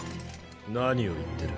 何を言ってる？